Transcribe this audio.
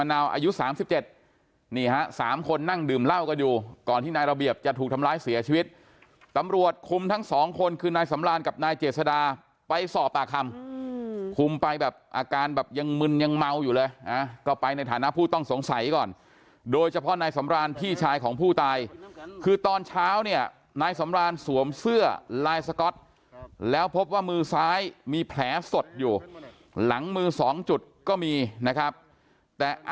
มะนาวอายุ๓๗นี่ฮะ๓คนนั่งดื่มเล่าก็อยู่ก่อนที่ในระเบียบจะถูกทำร้ายเสียชีวิตตำรวจคุมทั้ง๒คนคือในสำราญกับในเจตสดาไปสอบปากคำคุมไปแบบอาการแบบยังมึนยังเมาอยู่เลยนะก็ไปในฐานพูดต้องสงสัยก่อนโดยเฉพาะในสำราญพี่ชายของผู้ตายคือตอนเช้าเนี่ยในสำราญสวมเสื้อลายสก๊อตแล้วพบว่ามื